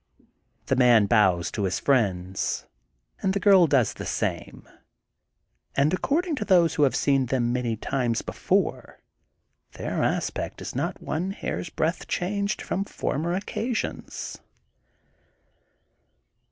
The man bows to his friends and the girl does the same and, accord ing to those who have seen them many times before, their aspect is not one hair's breadth changed from former occasions.